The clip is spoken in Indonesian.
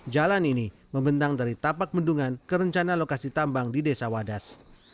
jalan ini membentang dari tapak mendungan kerencana lokasi tambang di desa wadas